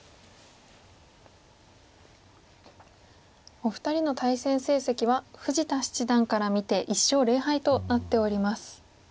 お二人の対戦成績は富士田七段から見て１勝０敗となっております。